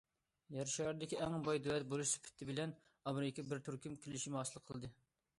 يەر شارىدىكى ئەڭ باي دۆلەت بولۇش سۈپىتى بىلەن ئامېرىكا بىر تۈرلۈك كېلىشىم ھاسىل قىلدى.